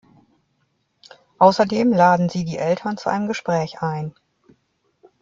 Außerdem laden sie die Eltern zu einem Gespräch ein.